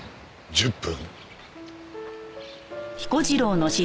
１０分？